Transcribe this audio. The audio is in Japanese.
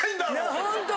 本当！